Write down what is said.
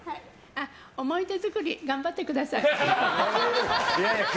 思い出作り頑張ってください。